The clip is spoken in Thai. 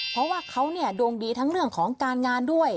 เพราะว่าเขาดวงดีทั้งเรื่องของการงานด้วย